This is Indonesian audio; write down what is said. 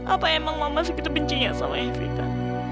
apa emang mama segitu bencinya sama evita